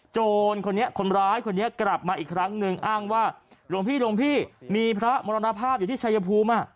โจรคนนี้คนร้ายคนนี้กลับมาอีกครั้งหนึ่งอ้างว่าหลวงพี่หลวงพี่มีพระมรณภาพอยู่ที่ชายภูมิ